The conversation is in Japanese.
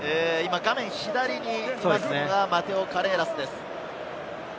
画面左にいるのがマテオ・カレーラスです。